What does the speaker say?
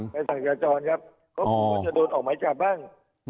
ใบสั่งจาจรครับเขาพูดว่าจะโดนออกไม้จาบบ้าง